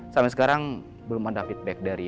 sampai sekarang belum ada feedback dari